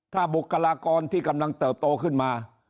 ถ้าบุคลากรที่กำลังเติบโตขึ้นมา